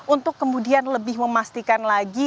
untuk kemudian lebih memastikan lagi